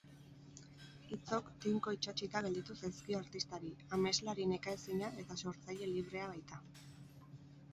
Hitzok tinko itsatsita gelditu zaizkio artistari, ameslari nekaezina eta sortzaile librea baita.